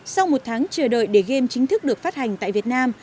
sau một tháng chờ đợi để game chính thức được phát hành tại việt nam